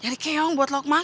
nyari keong buat lo kemakan